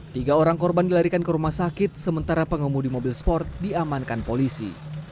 tiga orang korban dilarikan ke rumah sakit sementara pengemudi mobil sport diamankan polisi